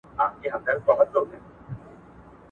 دا مڼه ترخه ده .